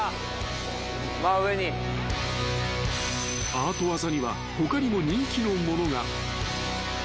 ［アート技には他にも人気のものが］